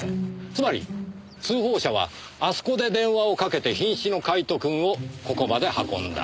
つまり通報者はあそこで電話をかけて瀕死のカイトくんをここまで運んだ。